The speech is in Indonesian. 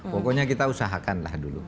pokoknya kita usahakan lah dulu